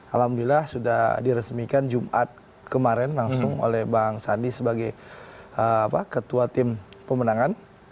alhamdulillah sudah diresmikan jumat kemarin langsung oleh bang sandi sebagai ketua tim pemenangan